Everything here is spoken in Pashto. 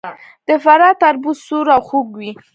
د فراه تربوز سور او خوږ وي.